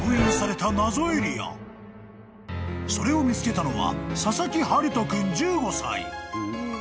［それを見つけたのは］